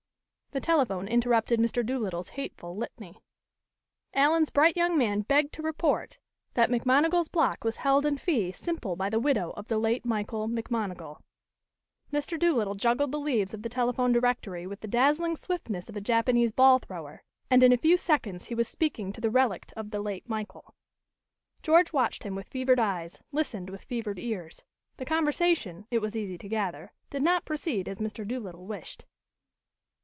The telephone interrupted Mr. Doolittle's hateful litany. Alien's bright young man begged to report that McMonigal's block was held in fee simple by the widow of the late Michael McMonigal. Mr. Doolittle juggled the leaves of the telephone directory with the dazzling swiftness of a Japanese ball thrower, and in a few seconds he was speaking to the relict of the late Michael. George watched him with fevered eyes, listened with fevered ears. The conversation, it was easy to gather, did not proceed as Mr. Doolittle wished.